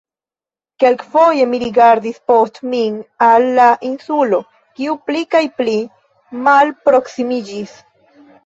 Kelkfoje mi rigardis post min al "la Insulo", kiu pli kaj pli malproksimiĝis.